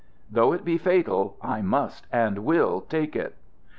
"Though it be fatal, I must and will take it."